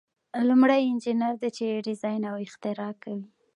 لومړی انجینر دی چې ډیزاین او اختراع کوي.